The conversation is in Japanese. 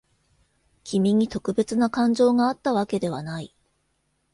君に特別な感情があったわけではない。